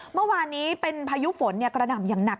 เมื่อวานนี้เป็นพายุฝนกระหน่ำอย่างหนัก